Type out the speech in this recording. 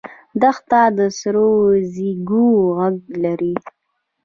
دښته د سرو ریګو غږ لري.